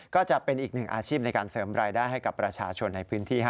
ก็จะเป็นอีกหนึ่งอาชีพในการเสริมรายได้ให้กับประชาชนในพื้นที่